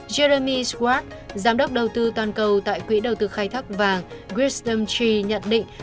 jeremy schwartz giám đốc đầu tư toàn cầu tại quỹ đầu tư khai thác vàng grisdom tree nhận định